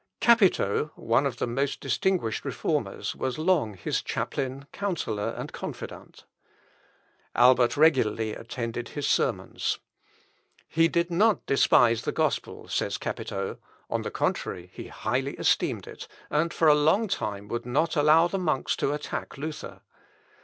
Capito, one of the most distinguished Reformers, was long his chaplain, counsellor, and confidant. Albert regularly attended his sermons. "He did not despise the gospel," says Capito; "on the contrary, he highly esteemed it, and for a long time would not allow the monks to attack Luther."